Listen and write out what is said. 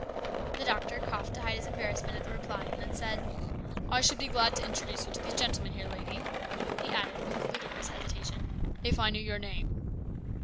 The doctor coughed to hide his embarrassment at the reply, and then said :" I should be glad to introduce you to these gentlemen here, lady," he added with a ludicrous hesitation, " if I knew your name."